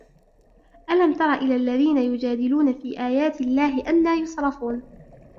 أَلَمْ تَرَ إِلَى الَّذِينَ يُجَادِلُونَ فِي آيَاتِ اللَّهِ أَنَّى يُصْرَفُونَ